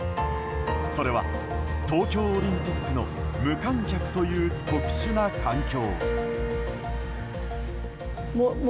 それは、東京オリンピックの無観客という特殊な環境。